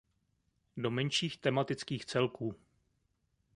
Do menších tematických celků.